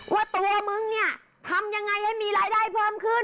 ว่าตัวมึงเนี่ยทำยังไงให้มีรายได้เพิ่มขึ้น